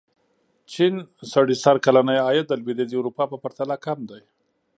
د چین سړي سر کلنی عاید د لوېدیځې اروپا په پرتله کم دی.